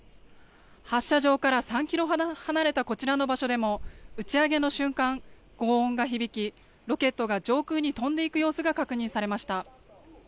発射場から３キロほど離れたこちらの場所でも打ち上げの瞬間、ごう音が響きロケットが上空に飛んでいく様子が確認されました。